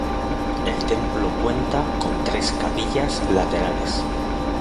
El templo cuenta con tres capillas laterales.